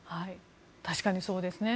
確かにそうですね。